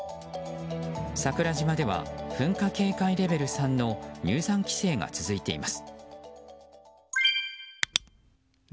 桜島では、噴火警戒レベル３の入山規制が続いています。